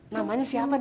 namanya siapa neng